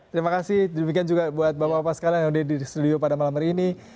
terima kasih demikian juga buat bapak bapak sekalian yang ada di studio pada malam hari ini